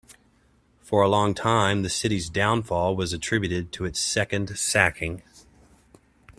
For a long time, the city's downfall was attributed to its second sacking.